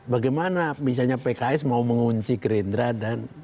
bagaimana misalnya pks mau mengunci gerindra dan